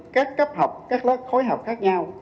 các cấp học các lớp khối học khác nhau